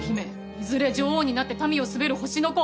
いずれ女王になって民を統べる星の子。